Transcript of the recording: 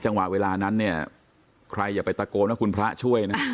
เวลานั้นเนี่ยใครอย่าไปตะโกนว่าคุณพระช่วยนะ